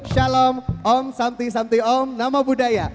shalom om santi santi om nama budaya